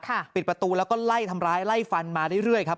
ปิดประตูแล้วก็ไล่ทำร้ายไล่ฟันมาเรื่อยเรื่อยครับ